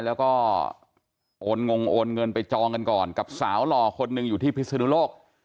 แล้วก็โอนงงโอนเงินไปจองกันก่อนกับสาวหล่อคนหนึ่งอยู่ที่พิศนุโลก